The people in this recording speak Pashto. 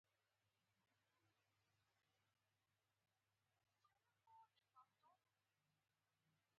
افغانستان تر هغو نه ابادیږي، ترڅو ما او تا "موږ" نشو.